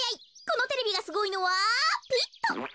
このテレビがすごいのはピッと。